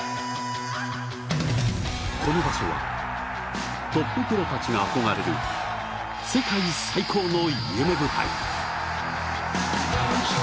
この場所はトッププロたちが憧れる世界最高の夢舞台。